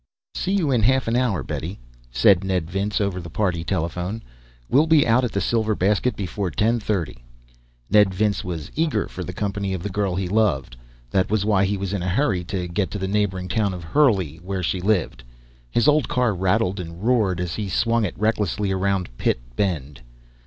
_ "See you in half an hour, Betty," said Ned Vince over the party telephone. "We'll be out at the Silver Basket before ten thirty...." Ned Vince was eager for the company of the girl he loved. That was why he was in a hurry to get to the neighboring town of Hurley, where she lived. His old car rattled and roared as he swung it recklessly around Pit Bend.